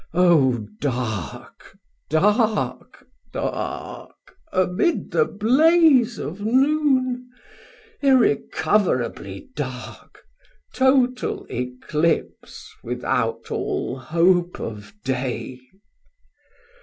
O dark, dark, dark, amid the blaze of noon, 80 Irrecoverably dark, total Eclipse Without all hope of day!